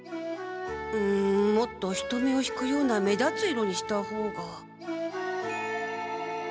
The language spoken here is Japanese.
んもっと人目を引くような目立つ色にしたほうが。